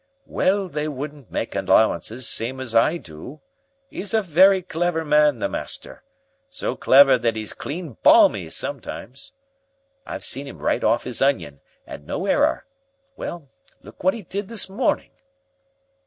"Well, they wouldn't make allowances, same as I do. 'E's a very clever man, the master so clever that 'e's clean balmy sometimes. I've seen 'im right off 'is onion, and no error. Well, look what 'e did this morning."